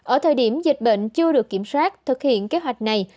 ở thời điểm dịch bệnh chưa được kiểm soát thực hiện kế hoạch này